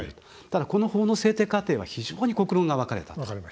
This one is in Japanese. ただ、この法の制定過程は非常に国論が分かれた。